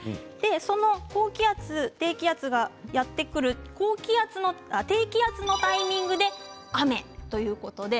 その高気圧、低気圧がやってくる低気圧の場合低気圧のタイミングで雨ということなります。